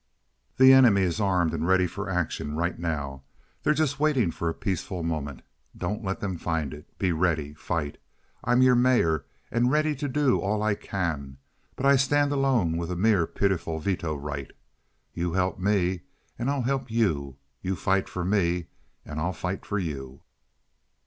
The enemy is armed and ready for action right now. They're just waiting for a peaceful moment. Don't let them find it. Be ready. Fight. I'm your mayor, and ready to do all I can, but I stand alone with a mere pitiful veto right. You help me and I'll help you. You fight for me and I'll fight for you."